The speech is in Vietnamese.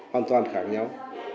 hoàn toàn khác nhau